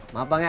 maaf bang ya